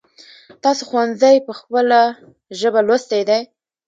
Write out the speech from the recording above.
تاسو ښونځی په خپل ژبه لوستی دی ؟